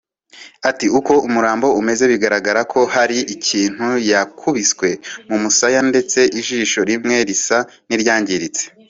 Ati “Uko umurambo umeze bigaragara ko hari ikintu yakubiswe mu musaya ndetse ijisho rimwe risa n’iryangiritse